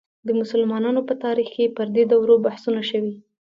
د مسلمانانو په تاریخ کې پر دې دورو بحثونه شوي.